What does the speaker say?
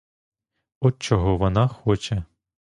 От чого вона хоче.